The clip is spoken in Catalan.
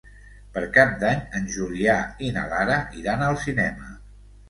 Per Cap d'Any en Julià i na Lara iran al cinema.